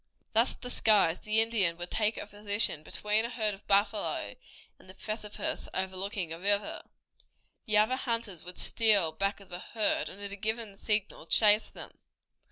Thus disguised the Indian would take a position between a herd of buffalo and the precipice overlooking a river. The other hunters would steal back of the herd, and at a given signal chase them.